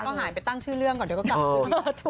ก็หายไปตั้งชื่อเรื่องก่อนเดี๋ยวก็กลับมาคุย